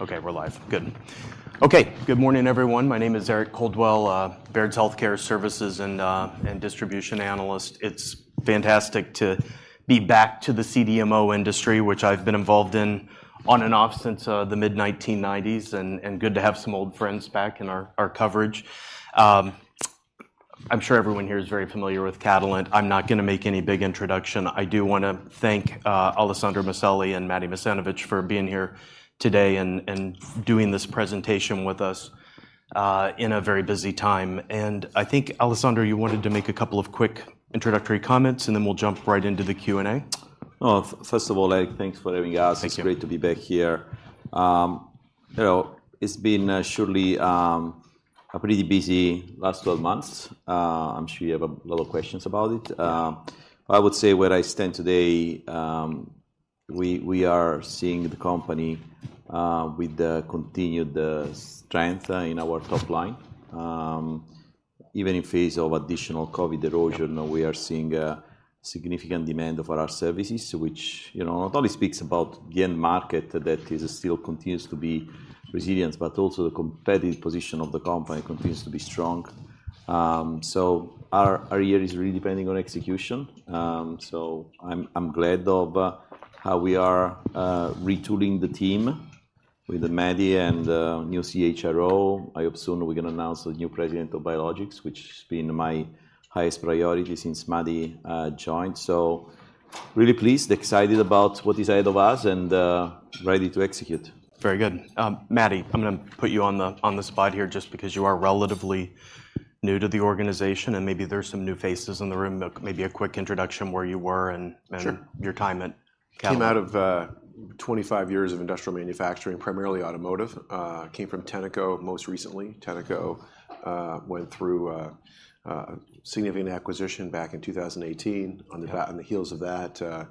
Okay, we're live. Good. Okay, good morning, everyone. My name is Eric Coldwell, Baird's Healthcare Services and, and Distribution Analyst. It's fantastic to be back to the CDMO industry, which I've been involved in on and off since the mid-1990s, and, and good to have some old friends back in our, our coverage. I'm sure everyone here is very familiar with Catalent. I'm not gonna make any big introduction. I do wanna thank Alessandro Maselli and Matti Masanovich for being here today and, and doing this presentation with us in a very busy time. And I think, Alessandro, you wanted to make a couple of quick introductory comments, and then we'll jump right into the Q&A. Oh, first of all, Eric, thanks for having us. Thank you. It's great to be back here. You know, it's been surely a pretty busy last 12 months. I'm sure you have a lot of questions about it. I would say where I stand today, we are seeing the company with the continued strength in our top line. Even in face of additional COVID erosion, we are seeing a significant demand for our services, which, you know, not only speaks about the end market, that is, still continues to be resilient, but also the competitive position of the company continues to be strong. So our year is really depending on execution. So I'm glad of how we are retooling the team with Matti and a new CHRO. I hope soon we're gonna announce a new president of Biologics, which has been my highest priority since Matti joined. So really pleased, excited about what is ahead of us and ready to execute. Very good. Matti, I'm gonna put you on the, on the spot here, just because you are relatively new to the organization, and maybe there are some new faces in the room. Maybe a quick introduction, where you were and- Sure... and your time at Catalent. Came out of, 25 years of industrial manufacturing, primarily automotive. Came from Tenneco, most recently. Tenneco, went through, a significant acquisition back in 2018. Yeah. On the heels of that,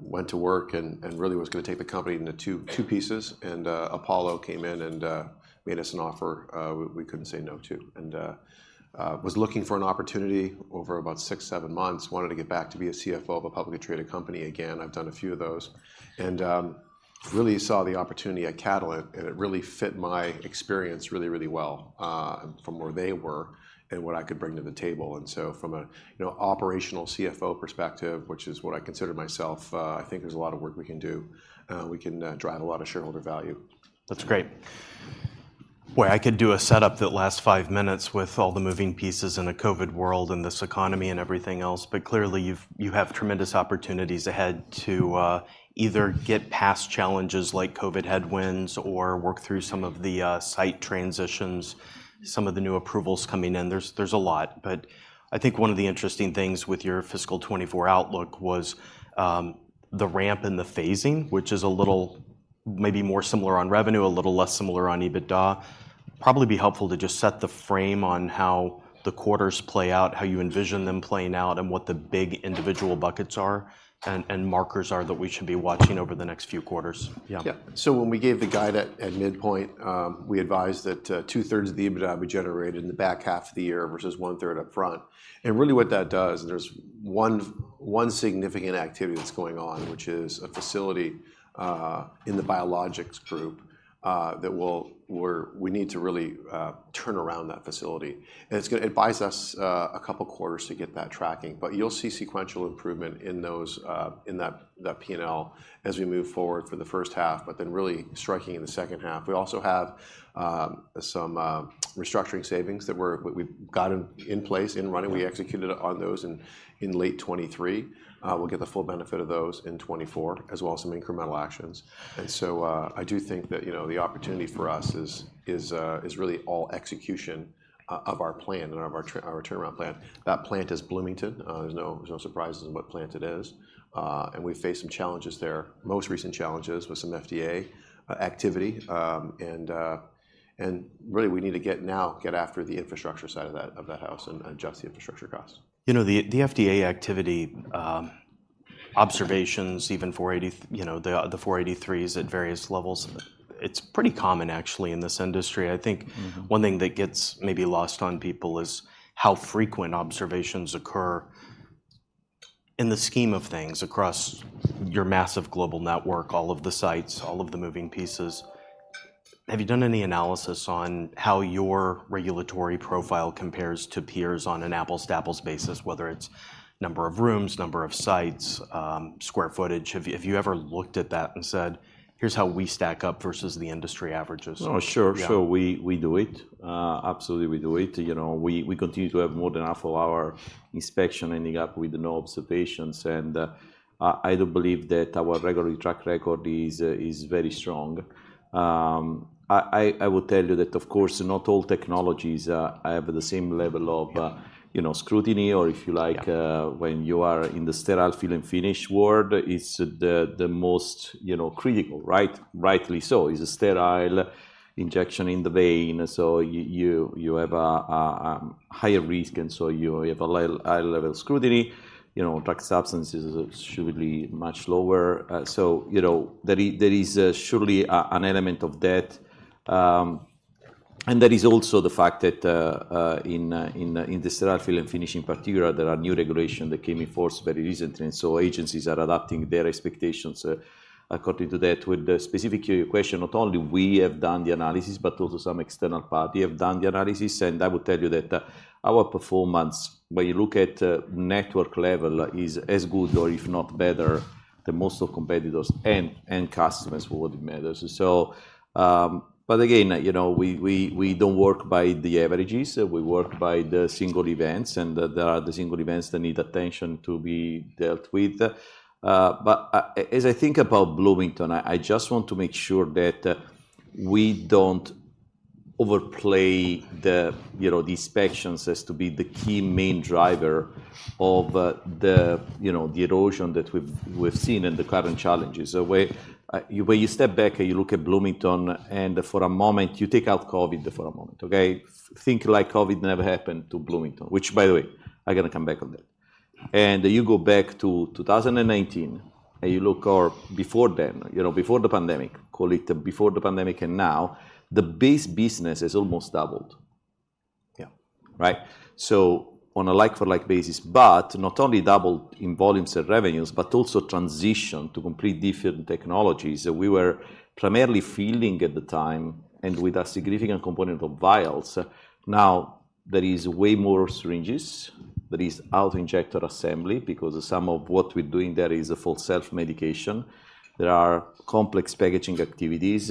went to work and really was gonna take the company into two pieces, and Apollo came in and made us an offer we couldn't say no to. Was looking for an opportunity over about six to seven months. Wanted to get back to be a CFO of a publicly traded company again. I've done a few of those. Really saw the opportunity at Catalent, and it really fit my experience really, really well, from where they were and what I could bring to the table. So from a you know operational CFO perspective, which is what I consider myself, I think there's a lot of work we can do, and we can drive a lot of shareholder value. That's great. Boy, I could do a setup that lasts five minutes with all the moving pieces in a COVID world, and this economy, and everything else. But clearly, you have tremendous opportunities ahead to either get past challenges like COVID headwinds or work through some of the site transitions, some of the new approvals coming in. There's a lot, but I think one of the interesting things with your fiscal 2024 outlook was the ramp and the phasing, which is a little maybe more similar on revenue, a little less similar on EBITDA. Probably be helpful to just set the frame on how the quarters play out, how you envision them playing out, and what the big individual buckets are, and markers are that we should be watching over the next few quarters. Yeah. Yeah. So when we gave the guide at midpoint, we advised that 2/3 of the EBITDA would be generated in the back half of the year, versus 1/3 up front. And really, what that does, there's one significant activity that's going on, which is a facility in the biologics group that we need to really turn around that facility. And it's gonna—It buys us a couple of quarters to get that tracking, but you'll see sequential improvement in those, in that P&L, as we move forward for the first half, but then really striking in the second half. We also have some restructuring savings that we've gotten in place, in running. We executed on those in late 2023. We'll get the full benefit of those in 2024, as well as some incremental actions. So, I do think that, you know, the opportunity for us is really all execution of our plan and of our turnaround plan. That plant is Bloomington. There's no surprises in what plant it is, and we face some challenges there. Most recent challenges with some FDA activity, and really, we need to get after the infrastructure side of that house and adjust the infrastructure costs. You know, the FDA activity, observations, even 483s. You know, the 483s at various levels, it's pretty common actually in this industry. I think- Mm-hmm. One thing that gets maybe lost on people is how frequent observations occur in the scheme of things across your massive global network, all of the sites, all of the moving pieces. Have you done any analysis on how your regulatory profile compares to peers on an apples-to-apples basis, whether it's number of rooms, number of sites, square footage? Have you, have you ever looked at that and said, "Here's how we stack up versus the industry averages? Oh, sure. Yeah. Sure, we do it. Absolutely, we do it. You know, we continue to have more than half of our inspections ending up with no observations, and I will tell you that, of course, not all technologies have the same level of- Yeah... you know, scrutiny or if you like- Yeah... when you are in the sterile fill and finish world, it's the most, you know, critical, right? Rightly so. It's a sterile injection in the vein, so you have a higher risk, and so you have a higher level of scrutiny. You know, drug substance is usually much lower. So you know, there is surely an element of that. And there is also the fact that in the sterile fill and finish, in particular, there are new regulation that came in force very recently, and so agencies are adapting their expectations according to that. With the specific to your question, not only we have done the analysis, but also some external party have done the analysis, and I will tell you that, our performance, when you look at network level, is as good or if not better than most of competitors and customers, for what it matters. But again, you know, we don't work by the averages. We work by the single events, and there are the single events that need attention to be dealt with. But as I think about Bloomington, I just want to make sure that we don't overplay the, you know, the inspections as to be the key main driver of the, you know, the erosion that we've seen and the current challenges. So when you step back and you look at Bloomington, and for a moment, you take out COVID for a moment, okay? Think like COVID never happened to Bloomington, which by the way, I'm gonna come back on that. And you go back to 2019, and you look or before then, you know, before the pandemic, call it before the pandemic and now, the base business has almost doubled. Yeah. Right? So on a like-for-like basis, but not only doubled in volumes of revenues, but also transitioned to completely different technologies. We were primarily filling at the time, and with a significant component of vials. Now, there is way more syringes, there is auto injector assembly, because some of what we're doing there is for self-medication. There are complex packaging activities.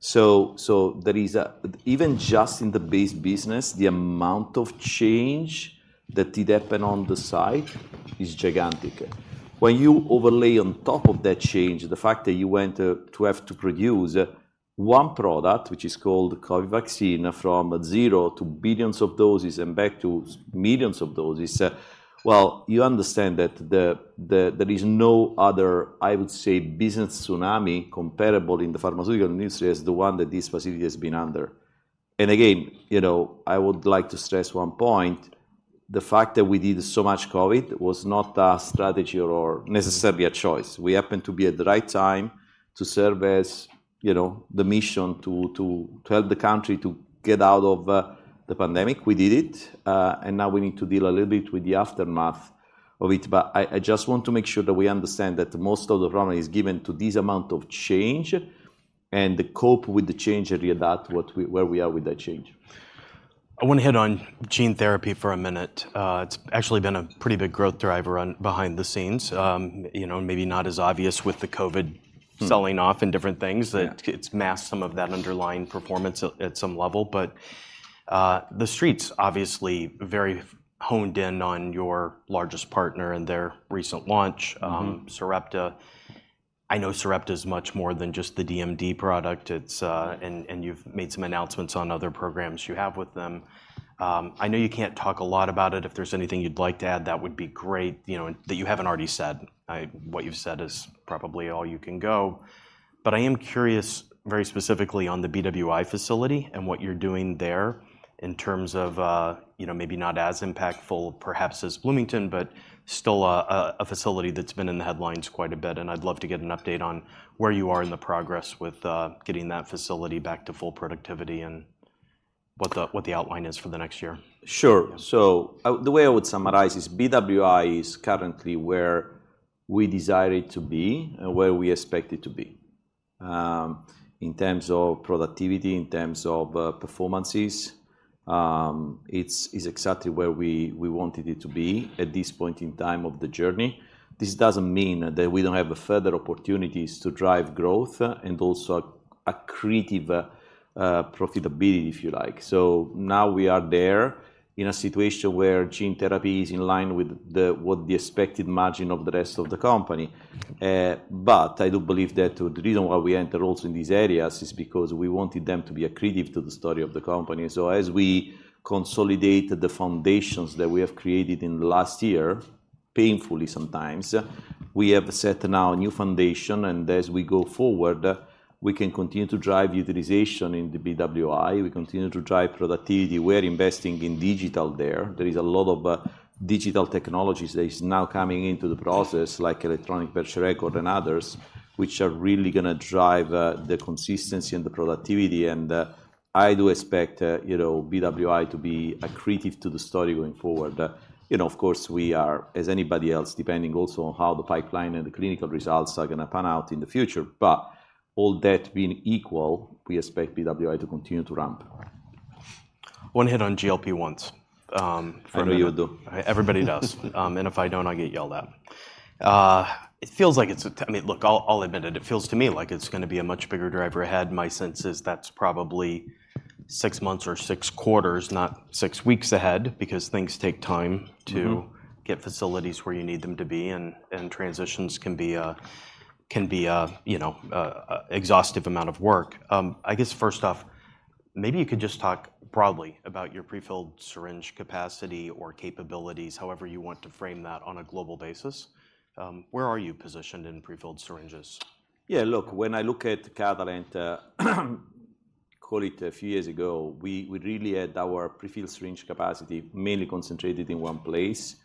So, there is even just in the base business, the amount of change that did happen on the site is gigantic. When you overlay on top of that change, the fact that you went to have to produce one product, which is called the COVID vaccine, from 0 to billions of doses and back to millions of doses, well, you understand that there is no other, I would say, business tsunami comparable in the pharmaceutical industry as the one that this facility has been under. And again, you know, I would like to stress one point: the fact that we did so much COVID was not a strategy or necessarily a choice. We happened to be at the right time to serve as, you know, the mission to help the country to get out of the pandemic. We did it, and now we need to deal a little bit with the aftermath of it. I just want to make sure that we understand that most of the drama is given to this amount of change, and to cope with the change and readapt where we are with that change. I want to hit on gene therapy for a minute. It's actually been a pretty big growth driver behind the scenes. You know, maybe not as obvious with the COVID- Mm-hmm... selling off and different things- Yeah - that it's masked some of that underlying performance at some level. But, the street's obviously very honed in on your largest partner and their recent launch, Mm-hmm... Sarepta. I know Sarepta is much more than just the DMD product. It's... And you've made some announcements on other programs you have with them. I know you can't talk a lot about it. If there's anything you'd like to add, that would be great, you know, that you haven't already said. What you've said is probably all you can go. But I am curious, very specifically on the BWI facility and what you're doing there in terms of, you know, maybe not as impactful, perhaps, as Bloomington, but still a facility that's been in the headlines quite a bit, and I'd love to get an update on where you are in the progress with, getting that facility back to full productivity and what the outline is for the next year. Sure. Yeah. The way I would summarize is BWI is currently where we desire it to be and where we expect it to be. In terms of productivity, in terms of performances, it's exactly where we wanted it to be at this point in time of the journey. This doesn't mean that we don't have further opportunities to drive growth and also accretive profitability, if you like. So now we are there in a situation where gene therapy is in line with the expected margin of the rest of the company. But I do believe that the reason why we enter also in these areas is because we wanted them to be accretive to the story of the company. So as we consolidate the foundations that we have created in the last year, painfully sometimes, we have set now a new foundation, and as we go forward, we can continue to drive utilization in the BWI. We continue to drive productivity. We're investing in digital there. There is a lot of digital technologies that is now coming into the process, like electronic patient record and others, which are really gonna drive the consistency and the productivity, and I do expect you know BWI to be accretive to the story going forward. You know, of course, we are, as anybody else, depending also on how the pipeline and the clinical results are gonna pan out in the future. But all that being equal, we expect BWI to continue to ramp. I want to hit on GLP-1s. I know you do. Everybody does. And if I don't, I get yelled at. It feels like it's a... I mean, look, I'll admit it. It feels to me like it's gonna be a much bigger driver ahead. My sense is that's probably six months or six quarters, not six weeks ahead, because things take time. Mm-hmm... to get facilities where you need them to be, and transitions can be a, you know, exhaustive amount of work. I guess, first off, maybe you could just talk broadly about your prefilled syringe capacity or capabilities, however you want to frame that, on a global basis. Where are you positioned in prefilled syringes? Yeah, look, when I look at Catalent, call it a few years ago, we really had our prefilled syringe capacity mainly concentrated in one place,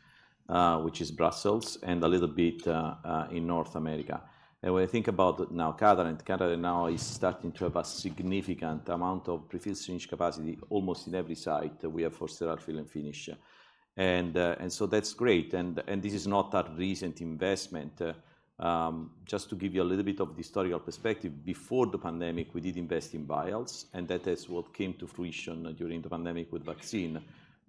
which is Brussels, and a little bit in North America. And when I think about now Catalent, Catalent now is starting to have a significant amount of prefilled syringe capacity almost in every site that we have for sterile fill and finish. And so that's great, and this is not a recent investment. Just to give you a little bit of historical perspective, before the pandemic, we did invest in vials, and that is what came to fruition during the pandemic with vaccine.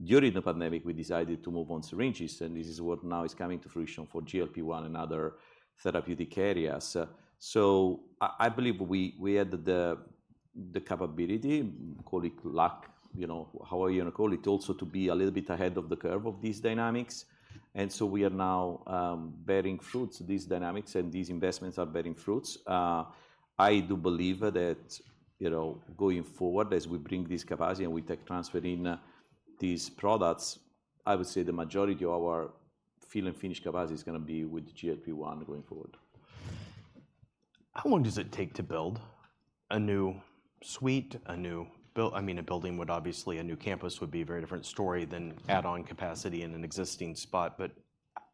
During the pandemic, we decided to move on syringes, and this is what now is coming to fruition for GLP-1 and other therapeutic areas. So I believe we had the capability, call it luck, you know, however you wanna call it, also to be a little bit ahead of the curve of these dynamics. And so we are now bearing fruits. These dynamics and these investments are bearing fruits. I do believe that, you know, going forward, as we bring this capacity and we take tech transfer in, these products, I would say the majority of our fill and finish capacity is gonna be with GLP-1 going forward. How long does it take to build a new suite, a new build? I mean, a building would obviously... A new campus would be a very different story than- Yeah... add-on capacity in an existing spot. But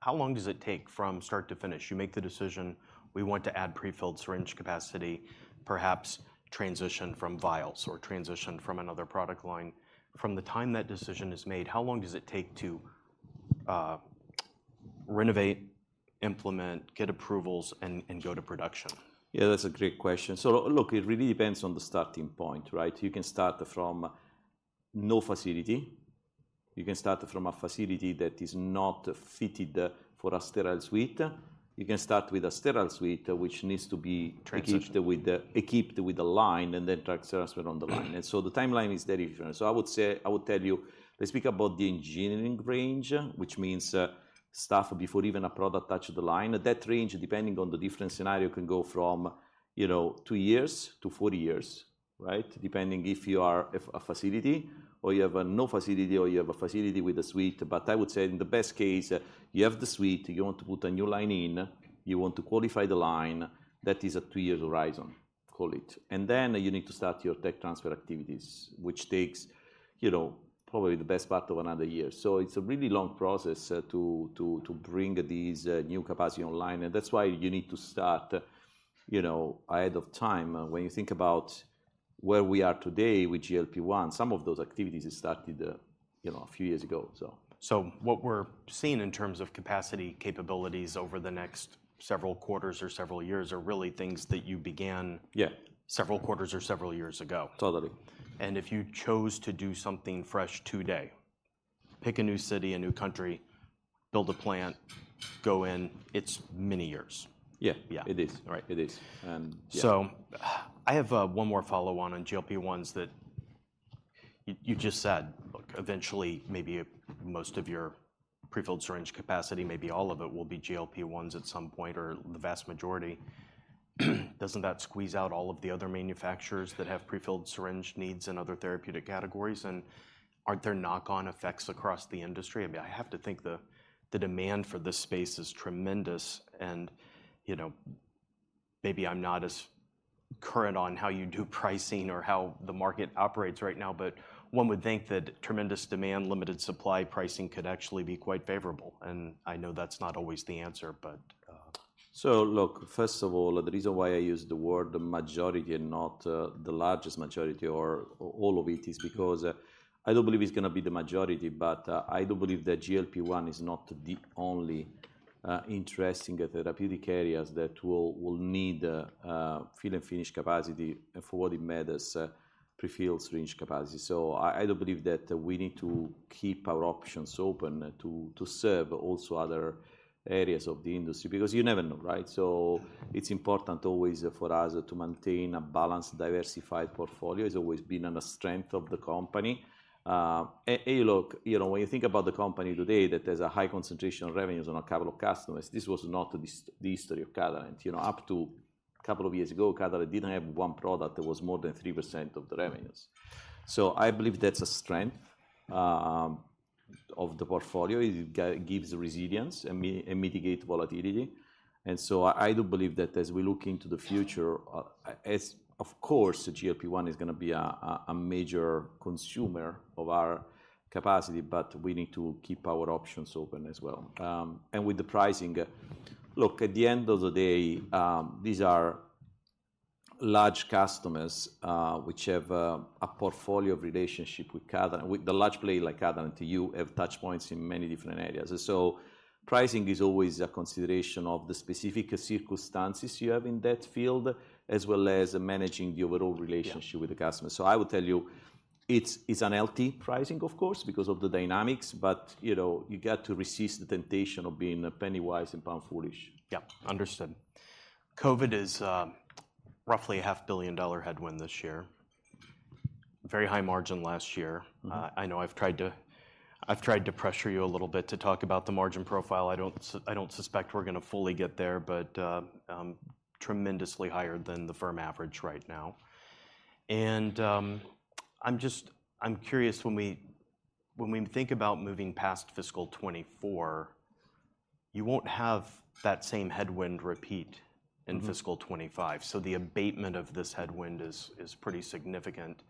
how long does it take from start to finish? You make the decision: we want to add prefilled syringe capacity, perhaps transition from vials or transition from another product line. From the time that decision is made, how long does it take to renovate, implement, get approvals, and go to production? Yeah, that's a great question. So look, it really depends on the starting point, right? You can start from no facility. You can start from a facility that is not fitted for a sterile suite. You can start with a sterile suite which needs to be- Transitioned... equipped with a line and then transfer on the line. And so the timeline is very different. So I would say, I would tell you, let's speak about the engineering range, which means, start before even a product touches the line. At that range, depending on the different scenario, can go from, you know, two years to 40 years, right? Depending if you are a facility or you have no facility, or you have a facility with a suite. But I would say in the best case, you have the suite, you want to put a new line in, you want to qualify the line, that is a two-year horizon, call it. And then you need to start your tech transfer activities, which takes, you know, probably the best part of another year. So it's a really long process to bring these new capacity online, and that's why you need to start, you know, ahead of time. When you think about where we are today with GLP-1, some of those activities started, you know, a few years ago. So... What we're seeing in terms of capacity capabilities over the next several quarters or several years are really things that you began- Yeah... several quarters or several years ago? Totally. If you chose to do something fresh today, pick a new city, a new country, build a plant, go in, it's many years. Yeah. Yeah. It is. All right. It is. Yeah. So I have one more follow-on on GLP-1s that you just said, look, eventually, maybe most of your prefilled syringe capacity, maybe all of it, will be GLP-1s at some point, or the vast majority. Doesn't that squeeze out all of the other manufacturers that have prefilled syringe needs in other therapeutic categories? And aren't there knock-on effects across the industry? I mean, I have to think the demand for this space is tremendous, and, you know, maybe I'm not as current on how you do pricing or how the market operates right now, but one would think that tremendous demand, limited supply pricing could actually be quite favorable. And I know that's not always the answer, but So look, first of all, the reason why I use the word majority and not the largest majority or all of it is because I do believe it's gonna be the majority, but I do believe that GLP-1 is not the only interesting therapeutic areas that will need fill and finish capacity for what it matters, prefilled syringe capacity. So I do believe that we need to keep our options open to serve also other areas of the industry, because you never know, right? So it's important always for us to maintain a balanced, diversified portfolio. It's always been a strength of the company. And look, you know, when you think about the company today, that there's a high concentration of revenues on a couple of customers, this was not the history of Catalent. You know, up to a couple of years ago, Catalent didn't have one product that was more than 3% of the revenues. So I believe that's a strength of the portfolio. It gives resilience and mitigate volatility. And so I do believe that as we look into the future, as... Of course, GLP-1 is gonna be a major consumer of our capacity, but we need to keep our options open as well. And with the pricing, look, at the end of the day, these are large customers, which have a portfolio of relationship with Catalent. With the large player like Catalent and you have touch points in many different areas. And so pricing is always a consideration of the specific circumstances you have in that field, as well as managing the overall relationship. Yeah... with the customer. So I would tell you, it's, it's unhealthy pricing, of course, because of the dynamics, but, you know, you got to resist the temptation of being a penny-wise and pound-foolish. Yeah, understood. COVID is roughly a $500 million headwind this year. Very high margin last year. Mm-hmm. I know I've tried to pressure you a little bit to talk about the margin profile. I don't suspect we're gonna fully get there, but, tremendously higher than the firm average right now. And, I'm just. I'm curious, when we, when we think about moving past fiscal 2024... you won't have that same headwind repeat in- Mm-hmm. Fiscal 2025. So the abatement of this headwind is pretty significant.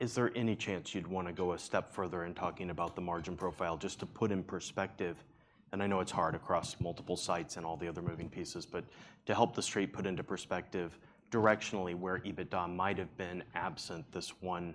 Is there any chance you'd wanna go a step further in talking about the margin profile, just to put in perspective, and I know it's hard across multiple sites and all the other moving pieces, but to help The Street put into perspective directionally where EBITDA might have been absent this $500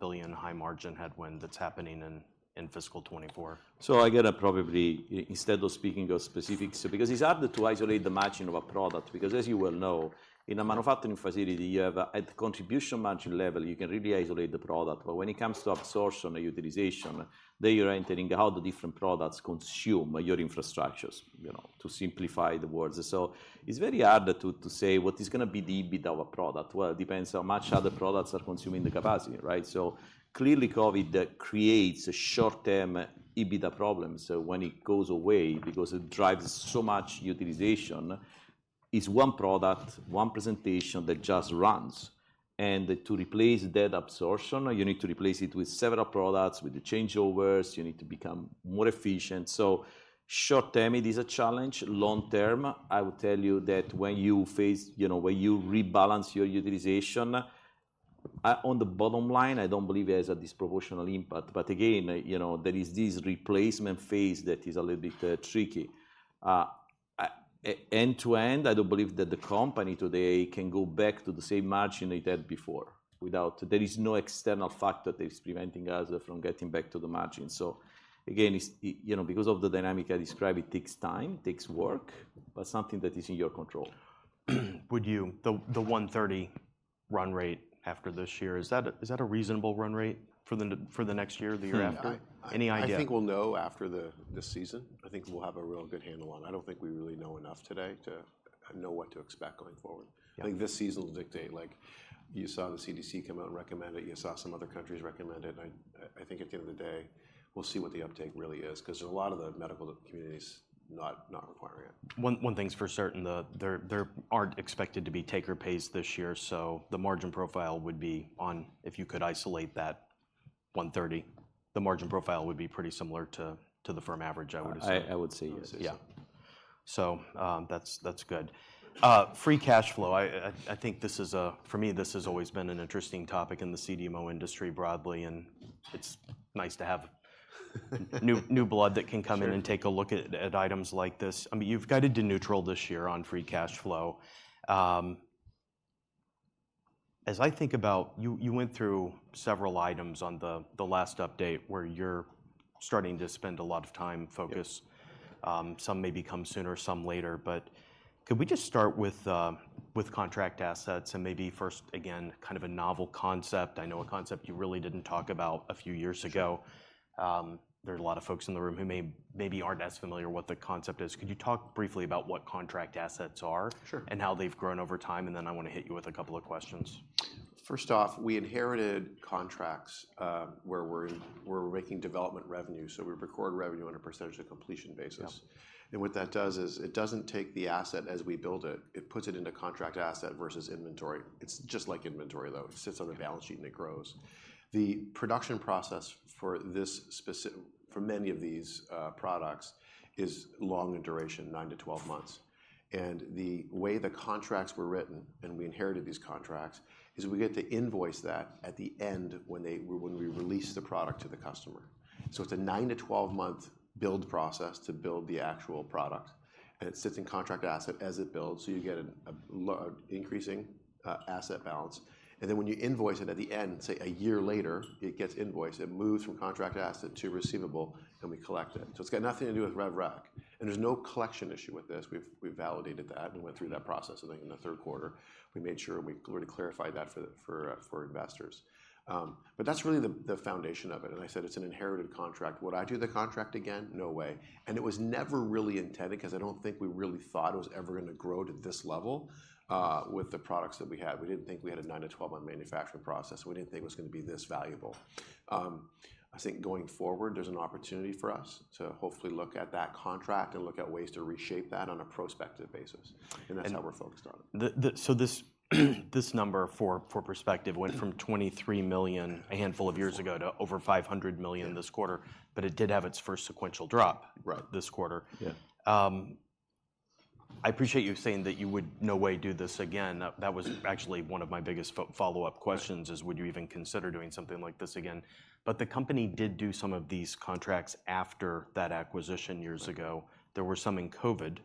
million high margin headwind that's happening in fiscal 2024? So I get probably instead of speaking of specifics, because it's harder to isolate the margin of a product, because as you well know, in a manufacturing facility, you have, at the contribution margin level, you can really isolate the product. But when it comes to absorption or utilization, there you are entering how the different products consume your infrastructures, you know, to simplify the words. So it's very hard to say what is gonna be the EBITDA of a product. Well, it depends how much other products are consuming the capacity, right? So clearly, COVID, that creates a short-term EBITDA problem. So when it goes away, because it drives so much utilization, is one product, one presentation that just runs. And to replace that absorption, you need to replace it with several products, with the changeovers, you need to become more efficient. So short term, it is a challenge. Long term, I would tell you that when you face... You know, when you rebalance your utilization, on the bottom line, I don't believe there is a disproportional impact, but again, you know, there is this replacement phase that is a little bit, tricky. End-to-end, I don't believe that the company today can go back to the same margin it had before, without-- There is no external factor that is preventing us from getting back to the margin. So again, it's, you know, because of the dynamic I described, it takes time, takes work, but something that is in your control. The $130 run rate after this year, is that a reasonable run rate for the next year or the year after? Hmm. Any idea? I think we'll know after the season. I think we'll have a real good handle on it. I don't think we really know enough today to know what to expect going forward. Yeah. I think this season will dictate. Like, you saw the CDC come out and recommend it, you saw some other countries recommend it, and I think at the end of the day, we'll see what the uptake really is, 'cause a lot of the medical community is not requiring it. One thing's for certain, there aren't expected to be take or pays this year, so the margin profile would be on, if you could isolate that 130, the margin profile would be pretty similar to the firm average, I would assume. I would say yes. Yeah. So, that's good. Free cash flow. I think this is a—for me, this has always been an interesting topic in the CDMO industry broadly, and it's nice to have new blood that can come in. Sure - and take a look at items like this. I mean, you've guided to neutral this year on free cash flow. As I think about... You went through several items on the last update, where you're starting to spend a lot of time, focus. Yeah. Some may come sooner, some later, but could we just start with, with contract assets and maybe first, again, kind of a novel concept, I know a concept you really didn't talk about a few years ago? Sure. There are a lot of folks in the room who may, maybe aren't as familiar what the concept is. Could you talk briefly about what contract assets are? Sure. How they've grown over time, and then I wanna hit you with a couple of questions. First off, we inherited contracts where we're making development revenue, so we record revenue on a percentage of completion basis. Yep. What that does is, it doesn't take the asset as we build it, it puts it into contract asset versus inventory. It's just like inventory, though. Okay. It sits on a balance sheet, and it grows. The production process for many of these products is long in duration, nine to 12 months. The way the contracts were written, and we inherited these contracts, is we get to invoice that at the end when they, when we release the product to the customer. So it's a nine to 12-month build process to build the actual product, and it sits in contract asset as it builds, so you get an increasing asset balance. Then when you invoice it at the end, say, one year later, it gets invoiced, it moves from contract asset to receivable, and we collect it. So it's got nothing to do with rev rec. There's no collection issue with this. We've validated that and went through that process. I think in the third quarter, we made sure and we went to clarify that for the investors. But that's really the foundation of it, and I said it's an inherited contract. Would I do the contract again? No way. And it was never really intended, 'cause I don't think we really thought it was ever gonna grow to this level, with the products that we had. We didn't think we had a nine to 12-month manufacturing process. We didn't think it was gonna be this valuable. I think going forward, there's an opportunity for us to hopefully look at that contract and look at ways to reshape that on a prospective basis, and that's how we're focused on it. So this number, for perspective, went from $23 million a handful of years ago to over $500 million- Yeah... this quarter, but it did have its first sequential drop- Right... this quarter. Yeah. I appreciate you saying that you would no way do this again. That, that was actually one of my biggest follow-up questions- Right... is, would you even consider doing something like this again? But the company did do some of these contracts after that acquisition years ago. Right. There were some in COVID,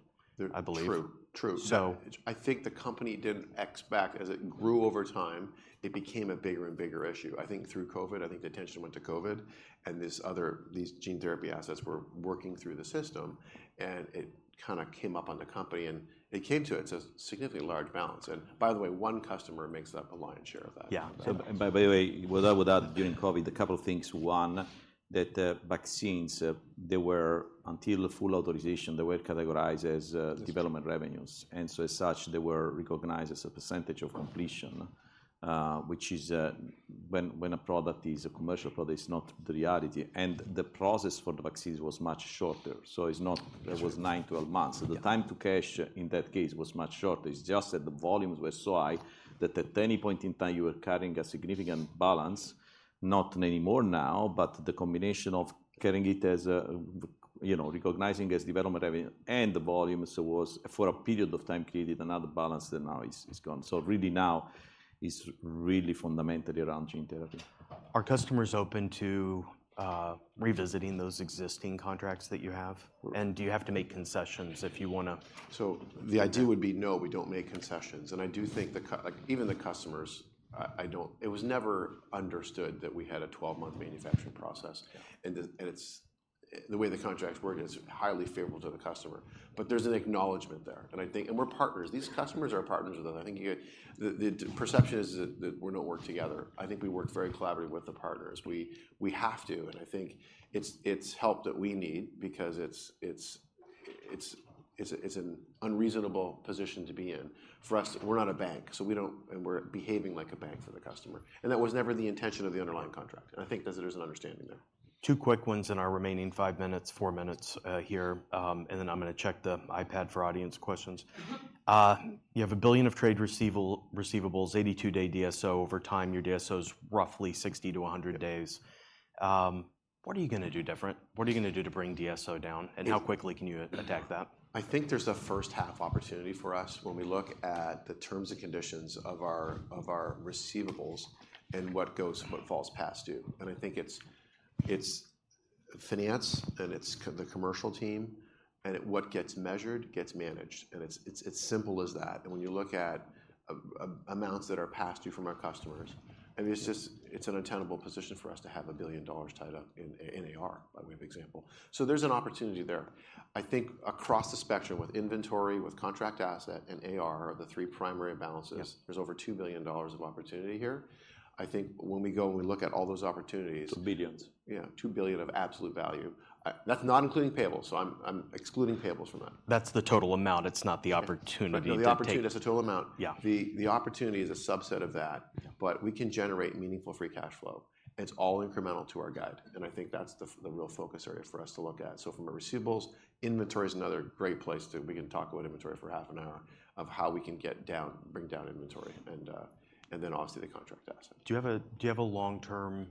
I believe. True, true. So- I think the company did X back. As it grew over time, it became a bigger and bigger issue. I think through COVID, I think the attention went to COVID, and this other, these gene therapy assets were working through the system, and it kinda came up on the company, and it came to it as a significantly large balance. And by the way, one customer makes up a lion's share of that. Yeah. So- And by the way, without, without doing COVID, a couple of things. One, that the vaccines, they were, until the full authorization, they were categorized as- Yes... development revenues, and so as such, they were recognized as a percentage of completion, which is, when a product is a commercial product, it's not the reality. And the process for the vaccines was much shorter, so it's not- Sure.... it was nine to 12 months. Yeah. So the time to cash in that case was much shorter. It's just that the volumes were so high that at any point in time, you were carrying a significant balance, not anymore now, but the combination of getting it as a, you know, recognizing as development and the volume, so was for a period of time, created another balance that now is gone. So really now is really fundamentally around gene therapy. Are customers open to revisiting those existing contracts that you have? And do you have to make concessions if you wanna- So the idea would be, no, we don't make concessions. And I do think, like, even the customers, I don't. It was never understood that we had a 12-month manufacturing process. Yeah. And it's the way the contracts work, it's highly favorable to the customer. But there's an acknowledgment there, and I think. And we're partners. These customers are partners with us. I think you get the perception is that we're not working together. I think we work very collaboratively with the partners. We have to, and I think it's a an unreasonable position to be in for us. We're not a bank, so we don't, and we're behaving like a bank for the customer, and that was never the intention of the underlying contract. And I think there's an understanding there. Two quick ones in our remaining five minutes, four minutes, here, and then I'm gonna check the iPad for audience questions. You have $1 billion of trade receivables, 82-day DSO. Over time, your DSO is roughly 60-100 days. What are you gonna do different? What are you gonna do to bring DSO down, and how quickly can you attack that? I think there's a first-half opportunity for us when we look at the terms and conditions of our receivables and what goes and what falls past due. I think it's finance, and it's the commercial team, and what gets measured, gets managed. And it's as simple as that. And when you look at amounts that are past due from our customers, I mean, it's just an untenable position for us to have $1 billion tied up in AR, by way of example. So there's an opportunity there. I think across the spectrum, with inventory, with contract asset, and AR are the three primary balances. Yeah. There's over $2 billion of opportunity here. I think when we go and we look at all those opportunities- Two billions. Yeah, $2 billion of absolute value. That's not including payables, so I'm excluding payables from that. That's the total amount, it's not the opportunity to take- The opportunity, that's the total amount. Yeah. The opportunity is a subset of that. Yeah. But we can generate meaningful free cash flow, and it's all incremental to our guide, and I think that's the real focus area for us to look at. So from a receivables, inventory is another great place, too. We can talk about inventory for half an hour, of how we can bring down inventory and, and then obviously, the contract asset. Do you have a long-term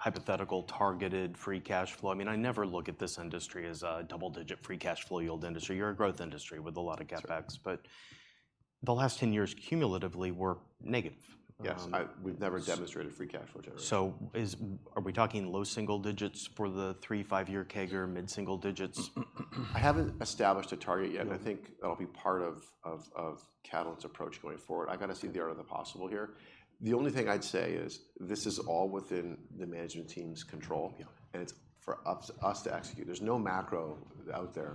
hypothetical targeted free cash flow? I mean, I never look at this industry as a double-digit free cash flow yield industry. You're a growth industry with a lot of CapEx. Sure. But the last 10 years cumulatively were negative. Yes, we've never demonstrated free cash flow generation. So are we talking low single digits for the three to five-year CAGR, mid-single digits? I haven't established a target yet. Yeah. I think that'll be part of Catalent's approach going forward. I've got to see the art of the possible here. The only thing I'd say is this is all within the management team's control- Yeah... and it's for us to execute. There's no macro out there,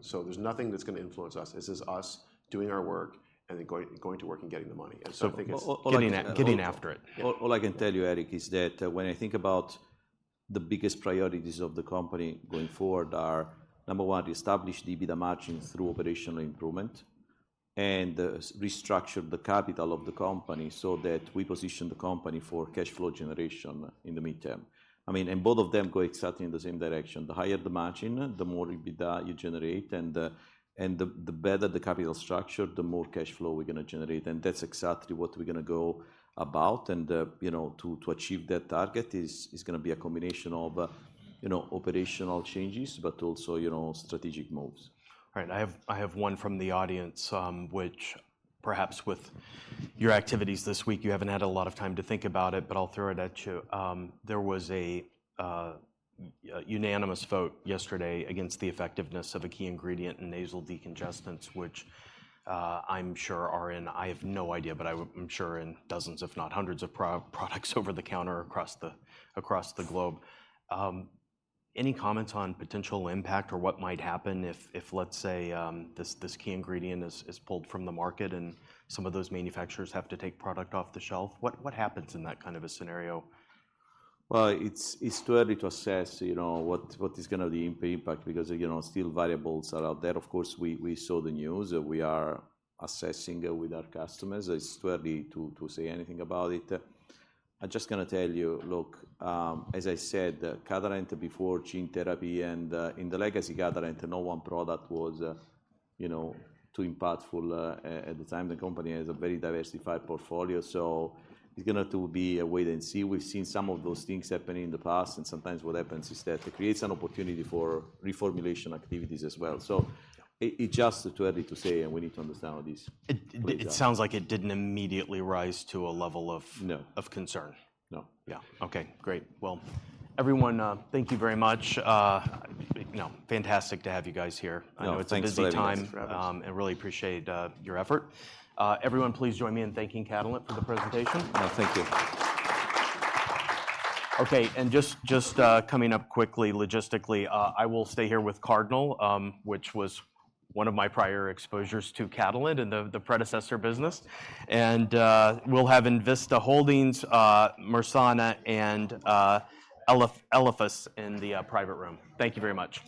so there's nothing that's gonna influence us. This is us doing our work and then going to work and getting the money. And so I think it's Getting after it. All, all I can tell you, Eric, is that when I think about the biggest priorities of the company going forward are, number one, to establish the EBITDA margins through operational improvement and restructure the capital of the company so that we position the company for cash flow generation in the midterm. I mean, and both of them go exactly in the same direction. The higher the margin, the more EBITDA you generate, and the better the capital structure, the more cash flow we're gonna generate. And that's exactly what we're gonna go about, and you know, to achieve that target is gonna be a combination of you know, operational changes, but also, you know, strategic moves. All right. I have one from the audience, which perhaps with your activities this week, you haven't had a lot of time to think about it, but I'll throw it at you. There was a unanimous vote yesterday against the effectiveness of a key ingredient in nasal decongestants, which I'm sure are in. I have no idea, but I'm sure in dozens, if not hundreds of products over the counter across the globe. Any comments on potential impact or what might happen if, let's say, this key ingredient is pulled from the market and some of those manufacturers have to take product off the shelf? What happens in that kind of a scenario? Well, it's too early to assess, you know, what is gonna be the impact, because, you know, still variables are out there. Of course, we saw the news. We are assessing with our customers. It's too early to say anything about it. I'm just gonna tell you, look, as I said, Catalent, before gene therapy and in the legacy, Catalent, no one product was, you know, too impactful at the time. The company has a very diversified portfolio, so it's gonna to be a wait and see. We've seen some of those things happening in the past, and sometimes what happens is that it creates an opportunity for reformulation activities as well. Yeah. It's just too early to say, and we need to understand all this- It sounds like it didn't immediately rise to a level of- No... of concern. No. Yeah. Okay, great. Well, everyone, thank you very much. You know, fantastic to have you guys here. No, thanks- I know it's a busy time-... for having us. I really appreciate your effort. Everyone, please join me in thanking Catalent for the presentation. No, thank you. Okay, and just coming up quickly, logistically, I will stay here with Cardinal, which was one of my prior exposures to Catalent in the predecessor business. And we'll have Envista Holdings, Mersana, and Elephus in the private room. Thank you very much.